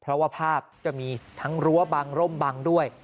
เพราะว่าภาพจะมีทั้งรั้วบังร่มบังด้วย